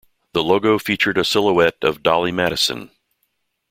The logo featured a silhouette of Dolly Madison.